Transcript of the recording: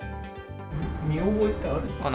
見覚えってあるんですか？